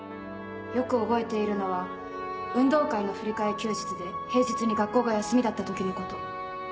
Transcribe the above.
よく覚えているのは運動会の振り替え休日で平日に学校が休みだった時のこと。